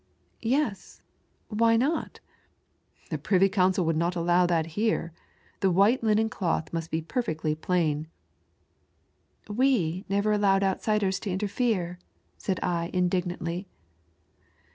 " Yes ; why not ?"" The Privy Council would not allow that here, the white linen cloth must be perfectly plain," " We never allowed outsiders to interfere," said I indignantly.